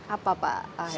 apa pak aher